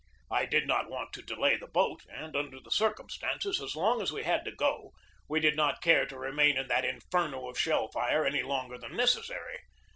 I did not want to delay the boat, and, under the circumstances, as long as we had to go, we did not care to remain in that inferno of shell fire any longer than necessary.